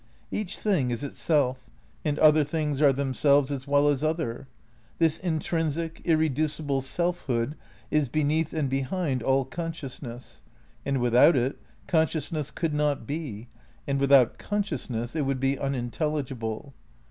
Each thing is itself, and other things are themselves as well as "other." This intrinsic, irreducible self hood is beneath and behind all consciousness, and without it consciousness could not be, and without con sciousness it would be unintelligible.